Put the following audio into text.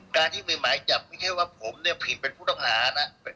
การที่มีหมายจับไม่ใช่ว่าผมเนี่ยผิดเป็นผู้ต้องหานะ